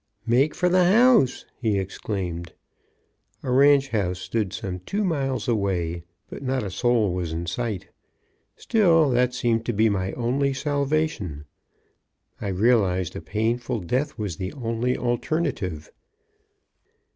"Make for the house!" he exclaimed. A ranch house stood some two miles away, but not a soul was in sight. Still, that seemed to be my only salvation; I realized a painful death was the only alternative.